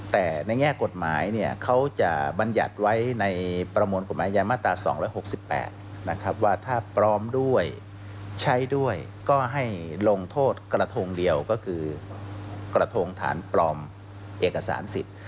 แต่ในแง่กฎหมายเนี่ยเขาจะบรรยัติไว้ในประมวลกฎหมายยามาตรา๒๖๘นะครับว่าถ้าพร้อมด้วยใช้ด้วยก็ให้ลงโทษกระทงเดียวก็คือกระทงฐานปลอมเอกสารสิทธิ์